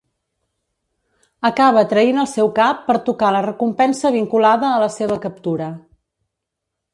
Acaba traint el seu cap per tocar la recompensa vinculada a la seva captura.